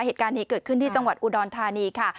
เหตุการณ์นี้เกิดขึ้นที่จังหวัดอุดรธานีค่ะ